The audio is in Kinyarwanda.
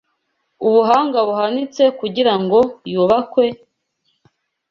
ubuhanga buhanitse kugira ngo yubakwe